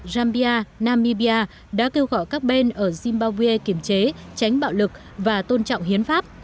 jambia namibia đã kêu gọi các bên ở zimbabwe kiểm chế tránh bạo lực và tôn trọng hiến pháp